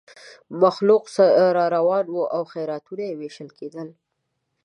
مخلوق را روان وو او خیراتونه وېشل کېدل.